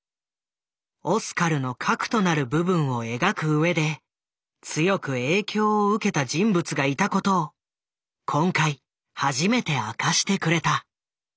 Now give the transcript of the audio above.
オスカルの核となる部分を描く上で強く影響を受けた人物がいたことを今回初めて明かしてくれた。